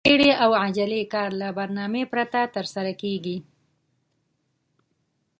د بيړې او عجلې کار له برنامې پرته ترسره کېږي.